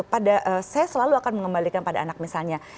pada saya selalu akan mengembalikan pada anak misalnya